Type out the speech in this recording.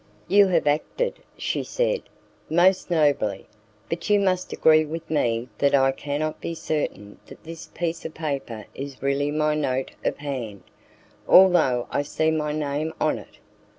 "You have acted," she said, "most nobly; but you must agree with me that I cannot be certain that this piece of paper is really my note of hand, although I see my name on it."